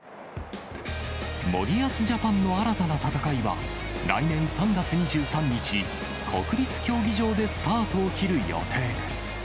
森保ジャパンの新たな戦いは、来年３月２３日、国立競技場でスタートを切る予定です。